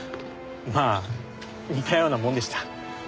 まあ似たようなもんでした。